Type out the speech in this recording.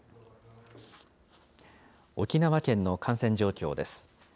沖縄県の感染状況です。